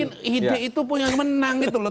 bikin ide itu pun yang menang gitu loh